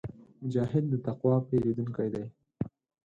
مجاهد د تقوا پېرودونکی وي.